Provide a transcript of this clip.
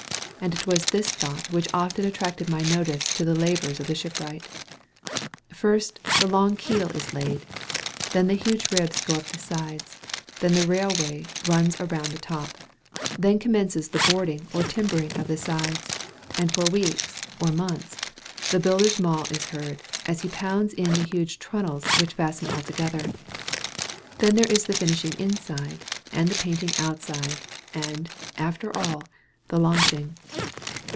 And it was this thought which often attracted my notice to the labors of the shipwright. First, the long keel is laid then the huge ribs go up the sides; then the rail way runs around the top. Then commences the boarding or timbering of the sides; and for weeks, or months, the builder's maul is heard, as he pounds in the huge trunnels which fasten all together. Then there is the finishing inside, and the painting outside, and, after all, the launching.